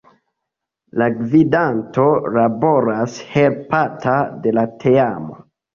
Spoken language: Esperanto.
La Gvidanto laboras helpata de la Teamo.